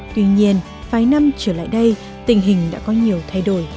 tuy nhiên vài năm trở lại đây tình hình đã có nhiều thay đổi